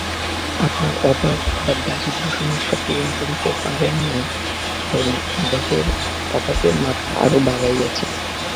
আপনারা অভাব বা দারিদ্র্য-সমস্যা পূরণ করিতে পারেন নাই, বরং অভাবের মাত্রা আরও বাড়াইয়াছেন।